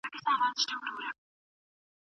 کندهار لکه ستا غاړه کې سور هار و